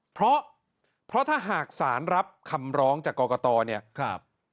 เพราะถ้าสารรับอาจจะอยู่ในรถที่กอกโต